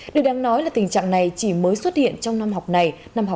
điều đáng nói là tình trạng này chỉ mới xuất hiện trong năm học này